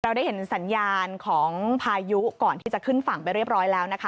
ได้เห็นสัญญาณของพายุก่อนที่จะขึ้นฝั่งไปเรียบร้อยแล้วนะคะ